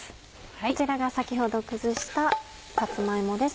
こちらが先ほど崩したさつま芋です。